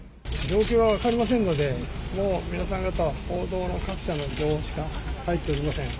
状況が分かりませんので、もう皆さん方、報道の各社の情報しか入っておりません。